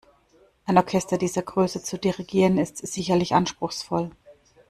Ein Orchester dieser Größe zu dirigieren, ist sicherlich anspruchsvoll.